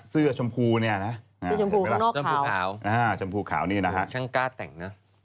เสื้อชมพูเนี่ยนะฮะชมพูข้าวชมพูขาวอ่าชมพูขาวนี่นะฮะช่างกล้าแต่งน่ะ